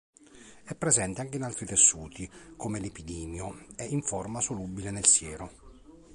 È presente anche in altri tessuti, come l'epididimo, e in forma solubile nel siero.